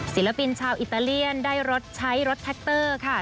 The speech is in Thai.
ศิลปินชาวอิตาเลียนได้รถใช้รถแท็กเตอร์ค่ะ